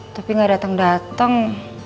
tapi gak dateng dateng